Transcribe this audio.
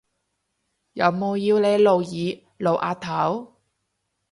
有冇要你露耳露額頭？